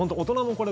これ